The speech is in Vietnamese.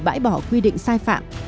bãi bỏ quy định sai phạm